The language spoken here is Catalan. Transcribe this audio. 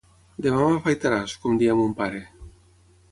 Demà m'afaitaràs, com deia mon pare.